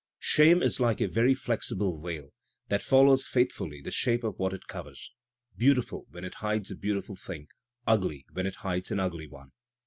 Shame is like a very flexible veil, that follows faithfully the shape of what it covers — beautiful when it hides a beautiful thing, ugly when it hides an ugly one.